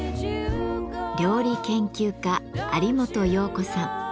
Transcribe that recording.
料理研究家有元葉子さん。